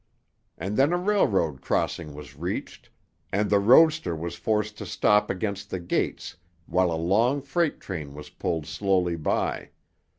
And then a railroad crossing was reached, and the roadster was forced to stop against the gates while a long freight train was pulled slowly by.